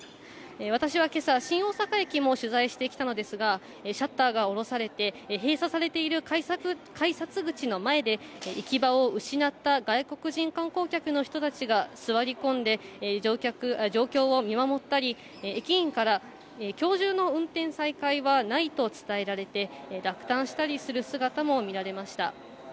私はけさ、新大阪駅も取材してきたのですが、シャッターが下ろされて、閉鎖されている改札口の前で、行き場を失った外国人観光客の人たちが座り込んで、状況を見守ったり、駅員からきょう中の運転再開はないと伝えられて、落胆したりする姿も見られました。